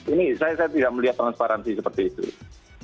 ini saya tidak melihat transparansi seperti itu